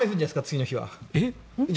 次の日は。